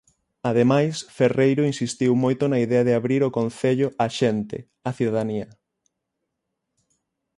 Ademais, Ferreiro insistiu moito na idea de abrir o Concello "á xente", á cidadanía.